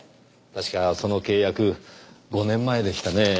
確かその契約５年前でしたねぇ。